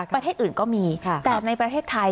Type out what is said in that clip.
ประเทศอื่นก็มีแต่ในประเทศไทย